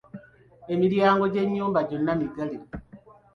Emiryango gy'ennyumba gyonna miggale.